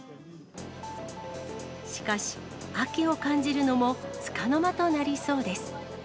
しかし、秋を感じるのもつかの間となりそうです。